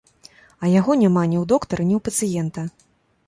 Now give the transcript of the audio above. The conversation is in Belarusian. А яго няма ні ў доктара, ні ў пацыента!